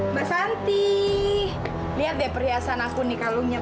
mbak santi lihat deh perhiasan aku nih kalungnya